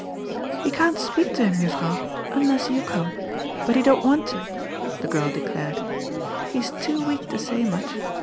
" He can't speak to him, Juffrouw, unless you come, but he don't want to," the girl declared. *' He's too weak to say much.